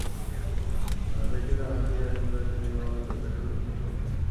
দেশেও দাম কমিয়ে আনলে যাঁরা সিএনজি ব্যবহার করেন, তাঁরা পেট্রল-অকটেনে ফেরত যাবেন।